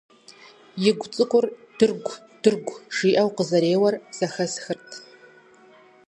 И гу цӀыкӀур «дыргу-дыргу» жиӀэу къызэреуэр зэхэсхырт.